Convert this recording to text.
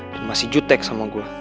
dan masih jutek sama gua